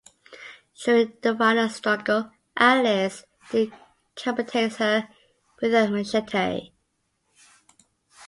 During the final struggle, Alice decapitates her with a machete.